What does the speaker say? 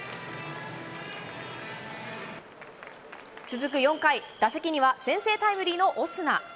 続く４回、打席には先制タイムリーのオスナ。